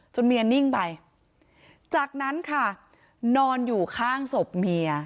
เมียนิ่งไปจากนั้นค่ะนอนอยู่ข้างศพเมีย